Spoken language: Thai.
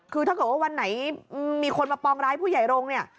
คือถ้าเกิดว่าวันไหนมีคนมาปองร้ายผู้ใหญ่โรงเนี่ย